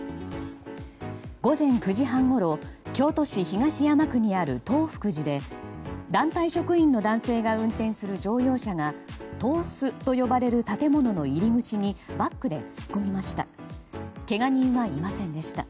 午前９時半ごろ京都市東山区にある東福寺で団体職員の男性が運転する乗用車が東司と呼ばれる建物の入り口にバックで突っ込みました。